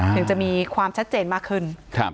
ถึงจะมีความชัดเจนมากขึ้น